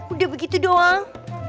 udah begitu doang